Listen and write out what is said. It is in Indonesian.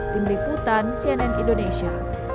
tim liputan cnn indonesia